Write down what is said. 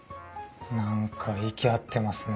何か息合ってますね。